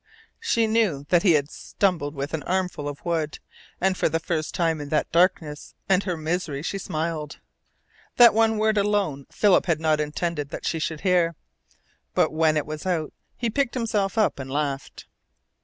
She knew that he had stumbled with an armful of wood, and for the first time in that darkness and her misery she smiled. That one word alone Philip had not intended that she should hear. But when it was out he picked himself up and laughed.